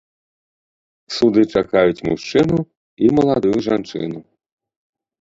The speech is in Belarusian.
Суды чакаюць мужчыну і маладую жанчыну.